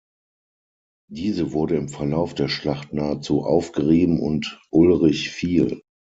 Diese wurde im Verlauf der Schlacht nahezu aufgerieben und Ulrich fiel.